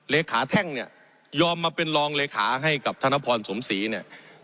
เลขาแท่งเนี่ยยอมมาเป็นรองเลขาให้กับธนพรสมศรีเนี่ย